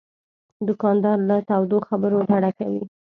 دوکاندار له تودو خبرو ډډه کوي.